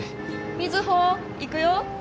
水穂行くよ。